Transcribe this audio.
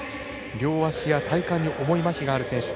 両足や体幹に重いまひがある選手。